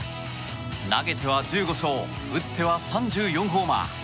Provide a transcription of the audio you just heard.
投げては１５勝打っては３４ホーマー。